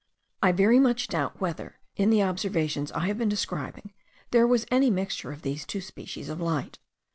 I very much doubt, whether, in the observations I have been describing, there was any mixture of these two species of light.